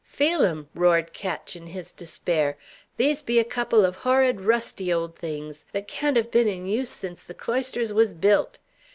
"Feel 'em!" roared Ketch, in his despair. "These be a couple of horrid, rusty old things, that can't have been in use since the cloisters was built.